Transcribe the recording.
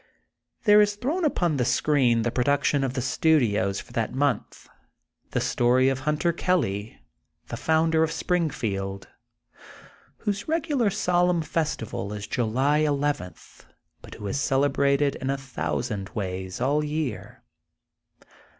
There is thrown upon the screen the produc tion of the studios for that month, the story of Hunter Kelly, the founder of Springfield, whose regular solemn festival is July elev enth, but who is celebrated in a thousand ways; all year.